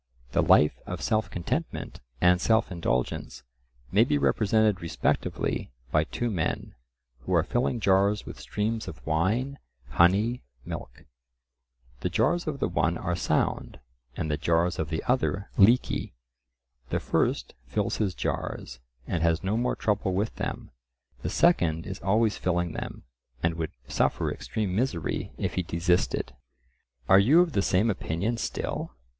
The life of self contentment and self indulgence may be represented respectively by two men, who are filling jars with streams of wine, honey, milk,—the jars of the one are sound, and the jars of the other leaky; the first fills his jars, and has no more trouble with them; the second is always filling them, and would suffer extreme misery if he desisted. Are you of the same opinion still?